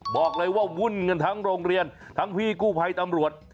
บอกเลยว่าวุ่นกันทั้งโรงเรียนทั้งพี่กู้ภัยตำรวจ